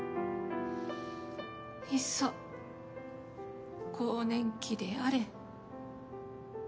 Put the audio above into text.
いっそ更年期であれ。